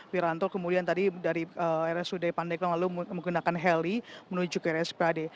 wiranto kemudian tadi dari rsud pandeglang lalu menggunakan heli menuju ke rspad